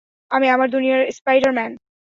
আমি আমার দুনিয়ার স্পাইডার-ম্যান।